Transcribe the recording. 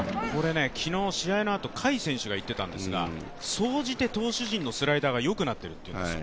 昨日試合のあと甲斐選手が言ってたんですけど総じて投手陣のスライダーがよくなっていると言うんですよ。